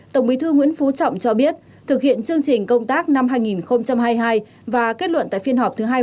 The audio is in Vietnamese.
tổng bí thư nguyễn phú trọng cho biết thực hiện chương trình công tác năm hai nghìn hai mươi hai và kết luận tại phiên họp thứ hai mươi ba